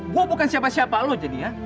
gue bukan siapa siapa lo jadi ya